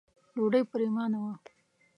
ډوډۍ پرېمانه وه.